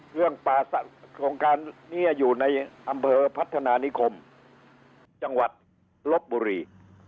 เรื่องปราศน์โครงการนี้อยู่ในอำเภอพัฒนานิคมจังหวัดลบบุรี